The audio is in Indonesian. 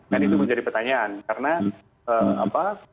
itu menjadi pertanyaan karena apa